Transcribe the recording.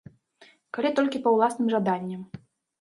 Калі толькі па ўласным жаданні.